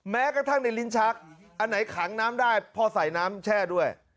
แม้กระทั่งในลิ้นชักอันไหนขังน้ำได้พอใส่น้ำแช่ด้วย